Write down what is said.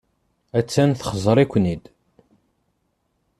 Attan txeẓẓer-iken-id.